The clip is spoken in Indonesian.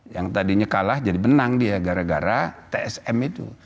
yang tadinya kalah jadi menang dia gara gara tsm itu